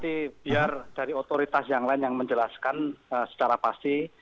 nanti biar dari otoritas yang lain yang menjelaskan secara pasti